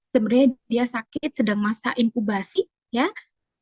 sebenarnya dia sakit sedang menjelaskan